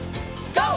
ＧＯ！